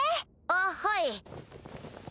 あっはい。